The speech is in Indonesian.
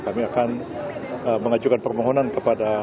kami akan mengajukan permohonan kepada